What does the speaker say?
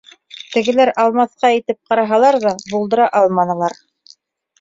Тегеләр алмаҫҡа итеп ҡараһалар ҙа, булдыра алманылар.